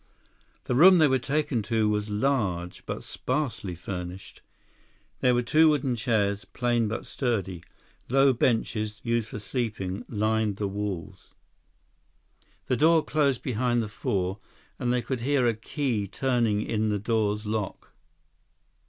The room they were taken to was large, but sparsely furnished. There were two wooden chairs, plain but sturdy. Low benches, used for sleeping, lined the walls. The door closed behind the four, and they could hear a key turning in the door's lock.